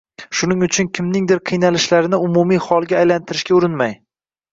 shuning uchun kimningdir qiynalishlarini umumiy holga aylantirishga urinmang.